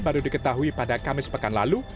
baru diketahui pada kamis pekan lalu